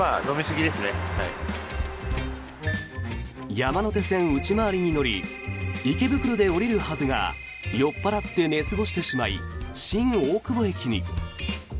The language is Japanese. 山手線内回りに乗り池袋で降りるはずが酔っ払って寝過ごしてしまい新大久保駅に。